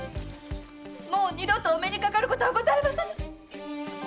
もう二度とお目にかかることはございませぬ！